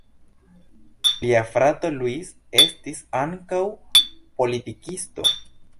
Lia frato Luis estis ankaŭ politikisto.